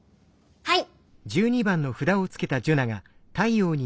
はい！